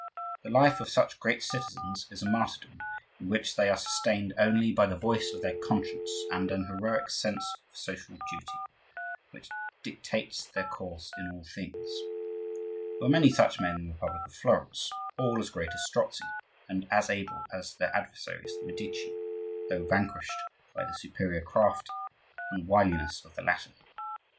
The life of such great citizens is a martyrdom, in which they are sustained only by the voice of their conscience and an heroic sense of social duty, which dictates their course in all things. There were many such men in the republic of Florence, all as great as Strozzi, and as able as their adversaries the Medici, though vanquished by the superior craft and wiliness of the latter.